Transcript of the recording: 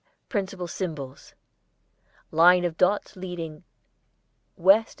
10 Principal Symbols: Line of dots leading W.S.